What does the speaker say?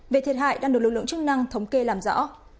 về thiệt hại đang được lực lượng chức năng thống kê làm rõ